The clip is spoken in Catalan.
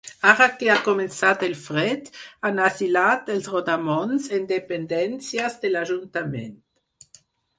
Ara que ha començat el fred, han asilat els rodamons en dependències de l'ajuntament.